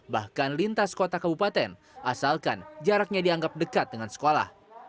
bahkan lintas kota kabupaten asalkan jaraknya dianggap dekat dengan sekolah